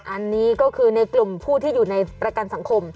อันนี้ก็คือในกลุ่มผู้ที่อยู่ในประกันสังคม